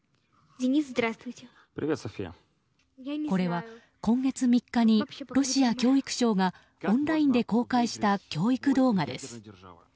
これは今月３日にロシア教育省がオンラインで公開した教育動画です。